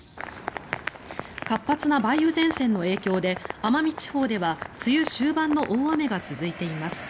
活発な梅雨前線の影響で奄美地方では梅雨終盤の大雨が続いています。